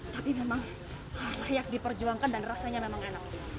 tapi memang layak diperjuangkan dan rasanya memang enak